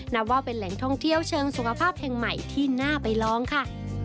นับว่าเป็นแหล่งท่องเที่ยวเชิงสุขภาพแห่งใหม่ที่น่าไปลองค่ะ